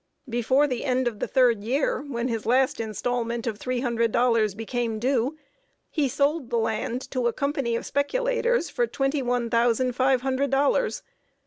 Before the end of the third year, when his last installment of three hundred dollars became due, he sold the land to a company of speculators for twenty one thousand five hundred dollars.